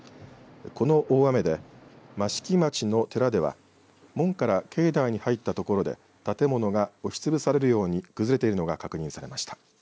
この大雨で、益城町の寺では門から境内に入ったところで建物が押しつぶされるように崩れているのが確認されました。